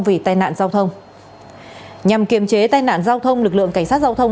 vì tai nạn giao thông nhằm kiềm chế tai nạn giao thông lực lượng cảnh sát giao thông